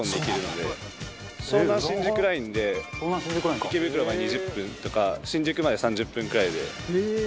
湘南新宿ラインで池袋まで２０分とか新宿まで３０分くらいで。